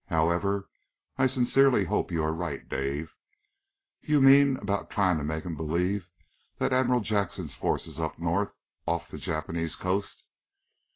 However, I sincerely hope you are right, Dave. You mean, about trying to make him believe that Admiral Jackson's force is up north off the Japanese coast?"